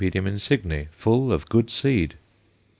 insigne_ full of good seed.